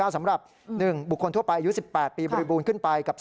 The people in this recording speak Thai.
สำหรับ๑บุคคลทั่วไปอายุ๑๘ปีบริบูรณ์ขึ้นไปกับ